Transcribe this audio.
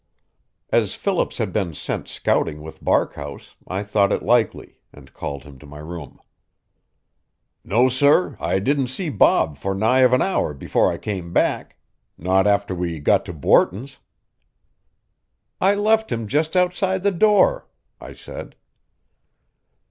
As Phillips had been sent scouting with Barkhouse I thought it likely, and called him to my room. "No, sir, I didn't see Bob for nigh on an hour before I came back. Not after we got to Borton's." "I left him just outside the door," I said.